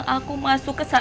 serius apa seresi